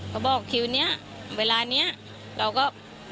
เขาบอกคิวนี้เวลานี้เราก็